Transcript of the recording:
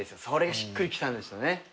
それがしっくりきたんですよね。